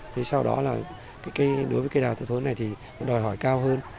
thế sau đó là đối với cây đào thị thốn này thì nó đòi hỏi cao hơn